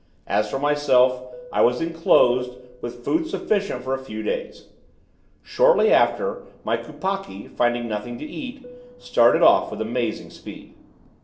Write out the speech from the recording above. As for myself, I was enclosed, with food sufficient for a few days. Shortly after, my kupakki, finding nothing to eat, started off with amazing speed.